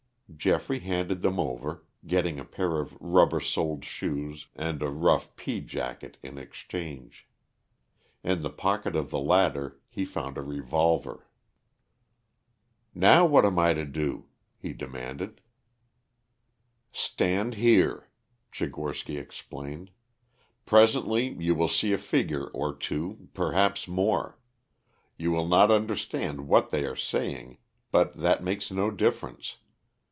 Geoffrey handed them over, getting a pair of rubber soled shoes and a rough pea jacket in exchange. In the pocket of the latter he found a revolver. "Now what am I to do?" he demanded. "Stand here," Tchigorsky explained. "Presently you will see a figure or two, perhaps more. You will not understand what they are saying, but that makes no difference.